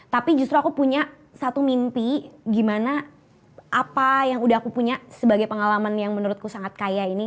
tapi justru aku punya satu mimpi gimana apa yang udah aku punya sebagai pengalaman yang menurutku sangat kaya ini